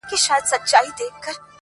خو په ونه کي تر دوی دواړو کوچنی یم!!